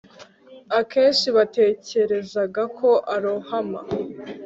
Akenshi batekerezaga ko arohama